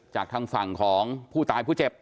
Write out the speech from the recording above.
จากทางฝั่งของผู้ตายผู้เจ็บ